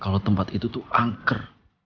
kalau tempat itu tuh angker